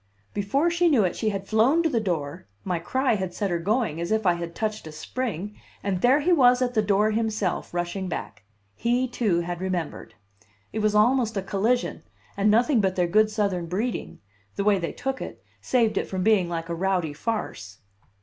Before she knew it she had flown to the door my cry had set her going, as if I had touched a spring and there he was at the door himself, rushing back. He, too, had remembered. It was almost a collision, and nothing but their good Southern breeding, the way they took it, saved it from being like a rowdy farce.